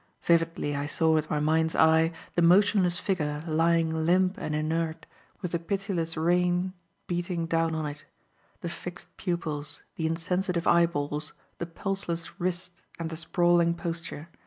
Vividly I saw with my mind's eye the motionless figure lying limp and inert with the pitiless rain beating down on it; the fixed pupils, the insensitive eyeballs, the pulseless wrist and the sprawling posture.